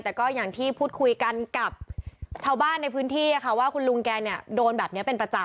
แต่ก็อย่างที่พูดคุยกันกับชาวบ้านในพื้นที่ค่ะว่าคุณลุงแกเนี่ยโดนแบบนี้เป็นประจำ